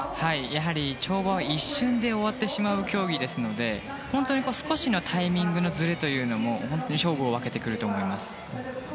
やはり跳馬は一瞬で終わってしまう競技ですので本当に少しのタイミングのずれというのも勝負を分けてくると思います。